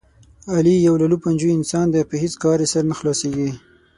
علي یو للوپنجو انسان دی، په هېڅ کار یې سر نه خلاصېږي.